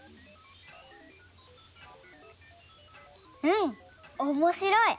うんおもしろい。